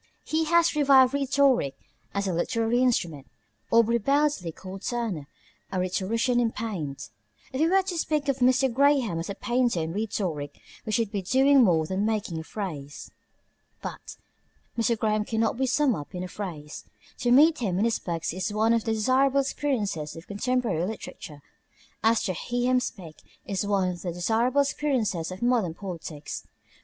He has revived rhetoric as a literary instrument. Aubrey Beardsley called Turner a rhetorician in paint. If we were to speak of Mr. Graham as a painter in rhetoric, we should be doing more than making a phrase. But Mr. Graham cannot be summed up in a phrase. To meet him in his books is one of the desirable experiences of contemporary literature, as to hear him speak is one of the desirable experiences of modern politics.